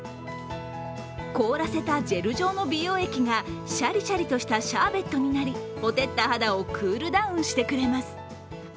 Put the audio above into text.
凍らせたジェル状の美容液がシャリシャリとしたシャーベットになりほてった肌をクールダウンしてくれます。